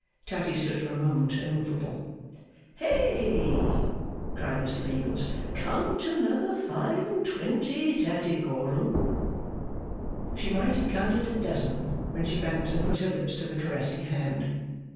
Tatty stood for a moment, immovable. 'Hey?' cried Mr Meagles. 'Count another five and twenty, Tattycoram.' She might have counted a dozen, when she bent and put her lips to the caressing hand.